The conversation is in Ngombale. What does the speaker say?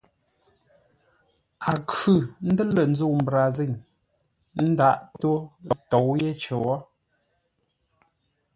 A khʉ̂ ńdə́r lə̂ ńzə́u mbrazîŋ ńdághʼ ńtó ńtóu yé cər wó.